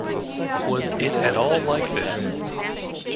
Was it at all like this?